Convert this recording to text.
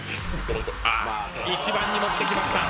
一番に持ってきました。